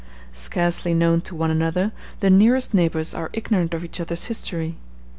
Scarcely known to one another, the nearest neighbors are ignorant of each other's history.